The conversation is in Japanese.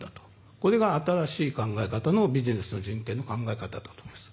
これが新しい考え方のビジネスと人権の考え方かと思います。